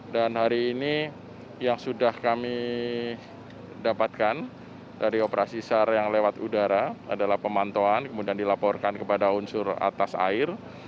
dan hari ini yang sudah kami dapatkan dari operasi sar yang lewat udara adalah pemantauan kemudian dilaporkan kepada unsur atas air